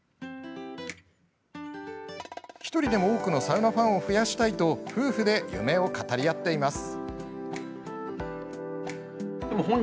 １人でも多くのサウナファンを増やしたいと夫婦で夢を語り合っています。